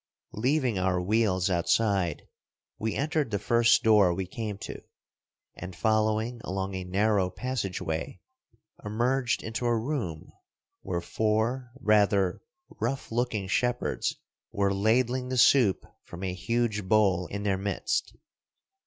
Leaving our wheels outside, we entered the first door we came to, and, following along a narrow passageway, emerged into a room where four rather rough looking shepherds were ladling the soup from a huge bowl in their midst.